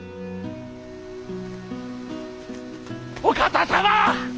お方様！